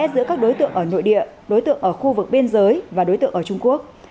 giữa các đối tượng ở nội địa đối tượng ở khu vực biên giới và đối tượng ở trung quốc